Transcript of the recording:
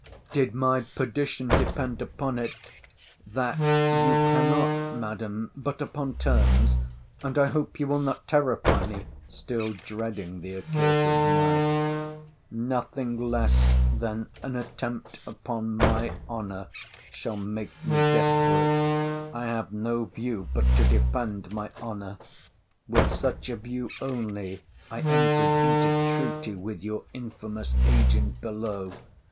Did my perdition depend upon it, that you cannot, Madam, but upon terms. And I hope you will not terrify me—still dreading the accursed knife. 'Nothing less than an attempt upon my honour shall make me desperate. I have no view but to defend my honour: with such a view only I entered into treaty with your infamous agent below.